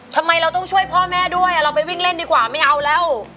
ทำไมเราต้องช่วยพ่อแม่ด้วยเราไปวิ่งเล่นดีกว่าไม่เอาแล้ว